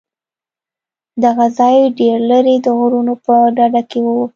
دغه ځاى ډېر لرې د غرونو په ډډه کښې و.